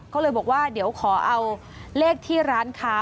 ก็เลยบอกว่าเดี๋ยวขอเอาเลขที่ร้านค้า